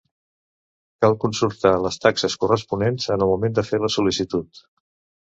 Cal consultar les taxes corresponents en el moment de fer la sol·licitud.